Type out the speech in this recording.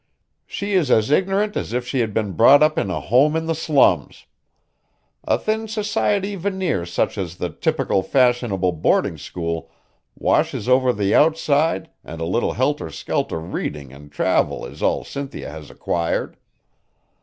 She is as ignorant as if she had been brought up in a home in the slums. A thin society veneer such as the typical fashionable boarding school washes over the outside and a little helter skelter reading and travel is all Cynthia has acquired.